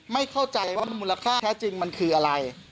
ไม่เข้าใจว่ามูลค่าแท้จริงมันคืออะไร